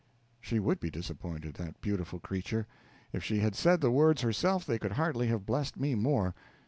She would be disappointed that beautiful creature! If she had said the words herself they could hardly have blessed me more.